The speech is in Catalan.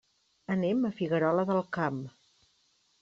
Anem a Figuerola del Camp.